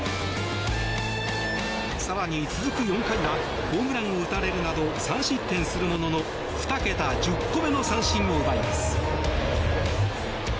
更に、続く４回はホームランを打たれるなど３失点するものの２桁１０個目の三振を奪います。